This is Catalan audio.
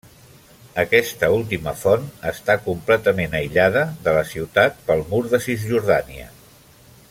Aquesta última font està completament aïllada de la ciutat pel Mur de Cisjordània.